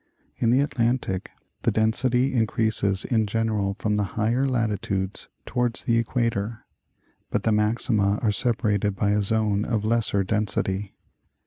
In the Atlantic the density increases in general from the higher latitudes towards the equator, but the maxima are separated by a zone of lesser density.